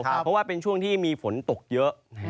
เพราะว่าเป็นช่วงที่มีฝนตกเยอะ